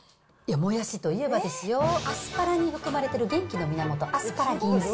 もやしといえばですよ、アスパラに含まれてる元気の源、アスパラギン酸。